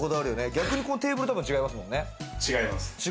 逆にテーブルとかは違いますもんね。